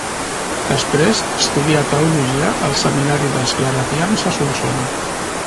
Després estudià teologia al Seminari dels Claretians a Solsona.